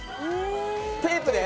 テープで？